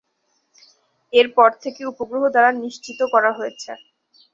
এর পর থেকে উপগ্রহ দ্বারা নিশ্চিত করা হয়েছে।